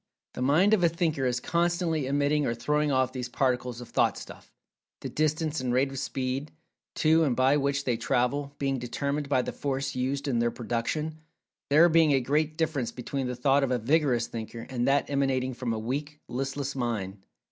The mind of a thinker is constantly emitting or throwing off these particles of "Thought stuff"; the distance and rate of speed, to and by which they travel, being determined by the "force" used in their production, there being a great difference between the thought of a vigorous thinker, and that emanating from a weak, listless mind.